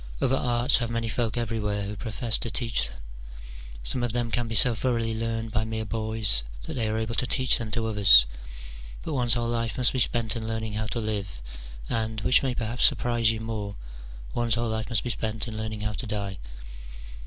Other arts have many folk everywhere who profess to teach them : some of them can be so thoroughly learned by mere boys, that they are able to teach them to others : but one's whole life must be spent in learning how to live, and, which may perhaps surprise you more, one's whole life must be spent in learning how to die.